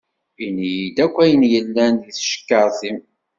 Ini-d akk ayen yellan deg tcekkaṛt-im.